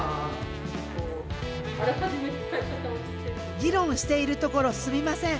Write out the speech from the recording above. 議論しているところすみません。